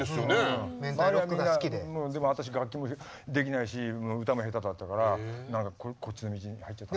でも私楽器もできないし歌も下手だったから何かこっちの道に入っちゃった。